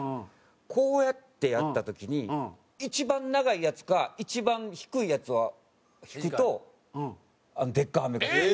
こうやってやった時に一番長いやつか一番低いやつを引くとでっかいアメが。